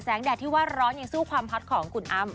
แดดที่ว่าร้อนยังสู้ความฮอตของคุณอ้ำ